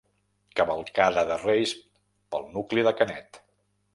Cavalcada de reis pel nucli de Canet.